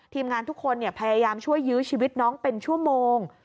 ทีมงานทุกคนพยายามช่วยยื้อชีวิตน้องเป็นชั่วโมง